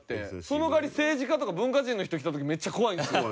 その代わり政治家とか文化人の人来た時めっちゃ怖いんですよ。